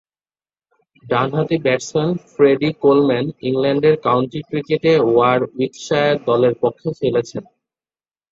ডানহাতি batsman Freddie Coleman ইংল্যান্ডের county ক্রিকেটে ওয়ারউইকশায়ার দলের পক্ষে খেলছেন।